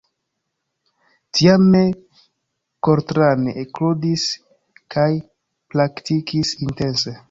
Tiame Coltrane ekludis kaj praktikis intense.